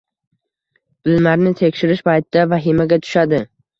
Bilimlarni tekshirish paytida vahimaga tushadi.